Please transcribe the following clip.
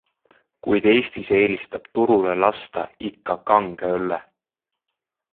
Kuid Eestis eelistab turule lasta ikka kange õlle.